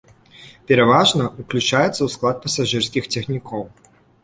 Пераважна, уключаецца ў склад пасажырскіх цягнікоў.